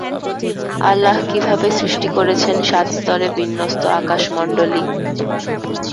আল্লাহ কিভাবে সৃষ্টি করেছেন সাত স্তরে বিন্যস্ত আকাশমণ্ডলী?